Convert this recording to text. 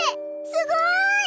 すごい！